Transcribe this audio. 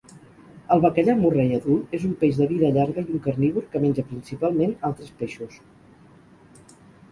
El bacallà Murray adult és un peix de vida llarga i un carnívor que menja principalment altres peixos.